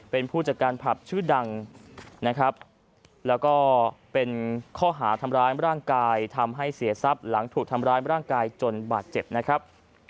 เพราะเป็นข้อหาทำร้ายร่างกายทำให้เสียทรัพย์หลังถูกทำร้ายร่างกายจนบาดเจ็บนะครับ